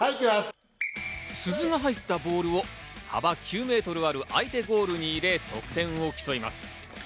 鈴が入ったボールを幅９ｍある相手ゴールに入れ得点を競います。